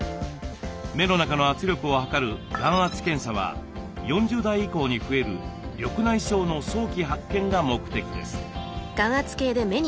目の中の圧力を測る眼圧検査は４０代以降に増える緑内障の早期発見が目的です。